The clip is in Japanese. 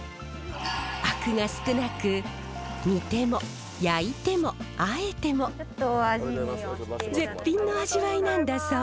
アクが少なく煮ても焼いてもあえても絶品の味わいなんだそう。